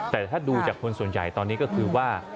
แต่ถ้าดูจากคนส่วนใหญ่ตอนนี้ก็คือว่า